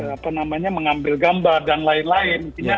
apa namanya mengambil gambar dan lain lain